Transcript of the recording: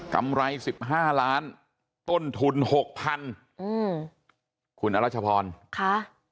ำไรสิบห้าล้านต้นทุนหกพันอืมคุณอรัชพรค่ะ